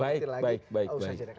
lebih lagi baik baik baik